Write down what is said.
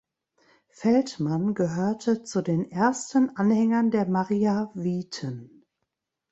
Feldmann gehörte zu den ersten Anhängern der Mariaviten.